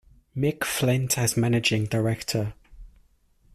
"Mick" Flint as managing director.